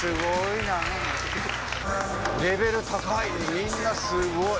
レベル高い！